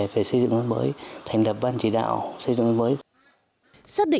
về xây dựng nông thôn mới thành đập ban chỉ đạo xây dựng nông thôn mới